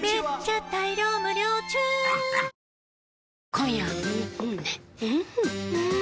今夜はん